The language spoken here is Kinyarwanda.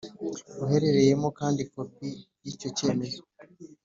ruherereyemo kandi kopi y icyo cyemezo